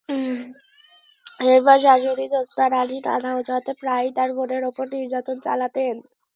এরপর শাশুড়ি জোছনা রানী নানা অজুহাতে প্রায়ই তাঁর বোনের ওপর নির্যাতন চালাতেন।